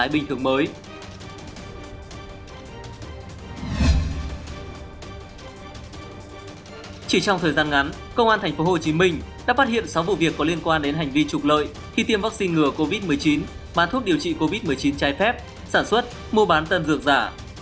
bán thuốc điều trị covid một mươi chín trái phép sản xuất mua bán tân dược giả